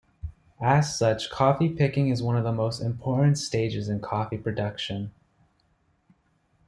As such, coffee picking is one of the most important stages in coffee production.